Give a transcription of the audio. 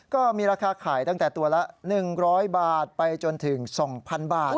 ก็มีราคาขายตั้งแต่ตัวละ๑๐๐บาทไปจนถึง๒๐๐๐บาท